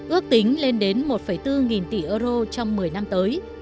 ước tính lên đến một bốn nghìn tỷ euro trong một mươi năm tới